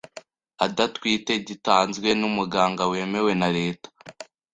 adatwite gitanzwe n umuganga wemewe na Leta